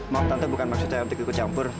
maaf tante bukan maksudnya untuk ikut campur